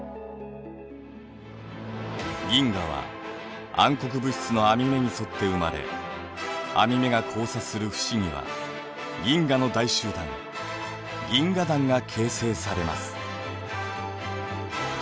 銀河は暗黒物質の網目に沿って生まれ網目が交差する節には銀河の大集団銀河団が形成されます。